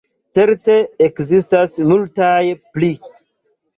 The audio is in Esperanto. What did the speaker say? Certe ekzistas multaj pli.